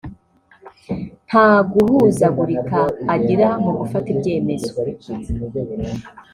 nta guhuzagurika agira mu gufata ibyemezo